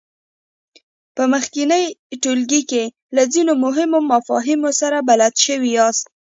په مخکېني ټولګي کې له ځینو مهمو مفاهیمو سره بلد شوي یاست.